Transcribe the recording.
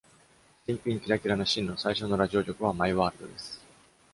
新品キラキラなシンの最初のラジオ曲は「マイワールド」です。